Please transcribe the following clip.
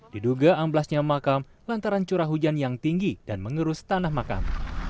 diduga amblasnya makam lantaran curah hujan yang tinggi dan mengerus tanah makam